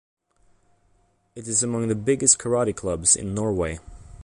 It is among the biggest karate clubs in Norway.